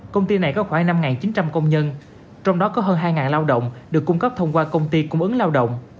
công ty này có khoảng năm chín trăm linh công nhân trong đó có hơn hai lao động được cung cấp thông qua công ty cung ứng lao động